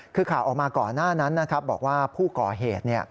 คือข่าวออกมาก่อนหน้านั้นนะครับบอกว่าผู้ก่อเหตุ